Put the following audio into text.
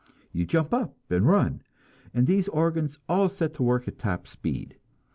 You jump up and run, and these organs all set to work at top speed.